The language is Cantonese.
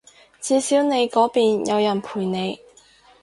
至少你嗰邊有人陪你